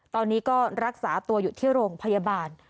ตอนนี้ก็รักษาตัวอยู่ที่โรงพยาบาล